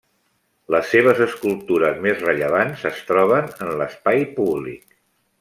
Les seves escultures més rellevants es troben en l’espai públic.